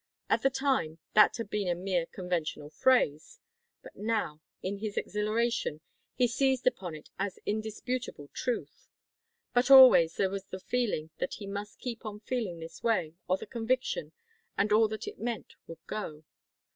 At the time that had been a mere conventional phrase, but now, in his exhilaration, he seized upon it as indisputable truth. But always there was the feeling that he must keep on feeling this way, or the conviction, and all that it meant, would go.